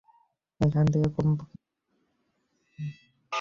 এখান থেকে কমপক্ষে পাঁচ মাইলের রাস্তা!